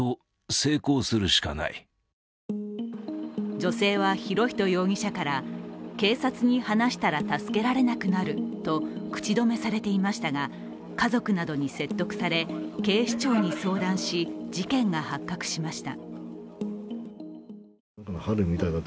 女性は博仁容疑者から、警察に話したら助けられなくなると口止めされていましたが家族などに説得され警視庁に相談し、事件が発覚しました。